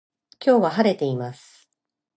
今日は晴れています